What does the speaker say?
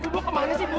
bu kemana sih bu